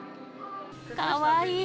かわいい。